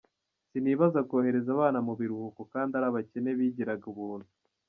Sinibaza kohereza abana mu biruhuko kandi ari abakene bigiraga ubuntu.